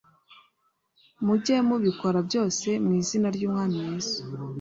mujye mubikora byose mu izina ry’Umwami Yesu